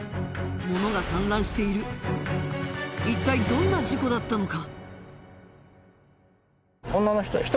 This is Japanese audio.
物が散乱している一体どんな事故だったのか？